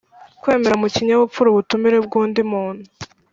kwemera mu kinyabupfura ubutumire bw‘undi muntu,